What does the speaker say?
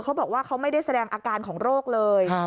เขาบอกว่าเขาไม่ได้แสดงอาการของโรคเลย